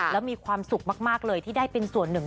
แล้วมีความสุขมากเลยที่ได้เป็นส่วนหนึ่ง